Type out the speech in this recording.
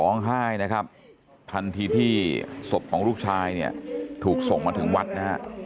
ร้องไห้นะครับทันทีที่ศพของลูกชายเนี่ยถูกส่งมาถึงวัดนะฮะ